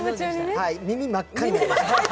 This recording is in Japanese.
耳真っ赤になりました。